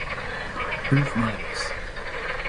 Truth matters.